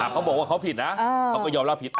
เขาบอกว่าเขาผิดนะเขาก็ยอมรับผิด